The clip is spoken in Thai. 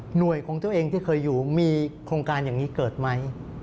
ของตัวเองที่เคยอยู่มีโครงการอย่างนี้เกิดไหม